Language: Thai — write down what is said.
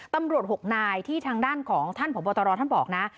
ตำรวจ๖นายที่ทางด้านของท่านผอบตรท่านบอกนะ